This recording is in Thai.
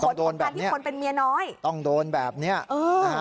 ต้องโดนแบบนี้ผลที่ผลเป็นเมียน้อยต้องโดนแบบนี้เออ